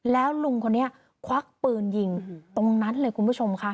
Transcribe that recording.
แล้วลุงคนนี้ควักปืนยิงตรงนั้นเลยคุณผู้ชมค่ะ